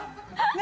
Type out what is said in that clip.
何？